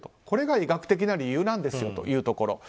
これが医学的な理由なんですよというところ。